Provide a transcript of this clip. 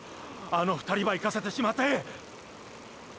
あの２人ば行かせてしまって！！